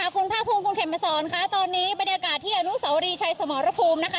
คุณภาคภูมิคุณเข็มมาสอนค่ะตอนนี้บรรยากาศที่อนุสาวรีชัยสมรภูมินะคะ